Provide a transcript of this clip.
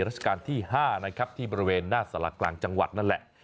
ราชการที่๕นะครับที่บริเวณหน้าสารกลางจังหวัดนั่นแหละ